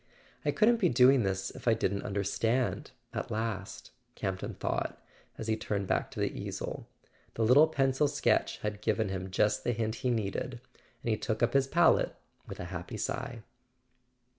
"I couldn't be doing this if I didn't understand— at last," Camp ton thought as he turned back to the easel. The little pencil sketch had given him just the hint he needed, and he took up his palette with a happy sigh.